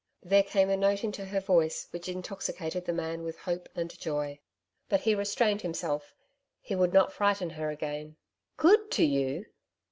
There came a note into her voice which intoxicated the man with hope and joy. But he restrained himself. He would not frighten her again. 'Good to you!